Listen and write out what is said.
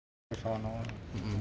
nanti hasilnya kita akan berikan juga